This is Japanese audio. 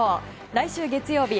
来週月曜日